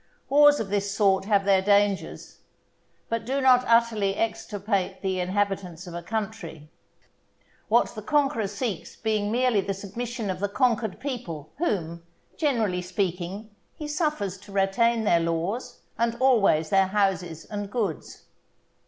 Wars of this sort have their dangers, but do not utterly extirpate the inhabitants of a country; what the conqueror seeks being merely the submission of the conquered people, whom, generally speaking, he suffers to retain their laws, and always their houses and goods.